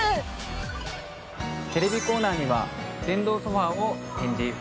テレビコーナーには電動ソファを展示。